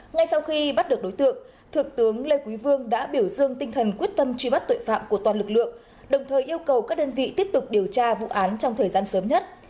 ngay sau khi bắt được đối tượng thượng tướng lê quý vương đã biểu dương tinh thần quyết tâm truy bắt tội phạm của toàn lực lượng đồng thời yêu cầu các đơn vị tiếp tục điều tra vụ án trong thời gian sớm nhất